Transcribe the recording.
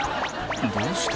「どうして？